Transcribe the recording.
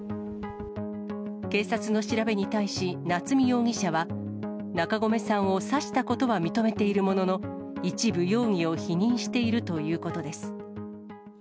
警察の調べに対し、夏見容疑者は、中込さんを刺したことは認めているものの、一部容疑を否認しているということです。